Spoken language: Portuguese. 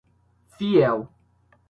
fiel